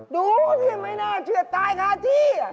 ดูสิไม่น่าเชื่อตายคาที่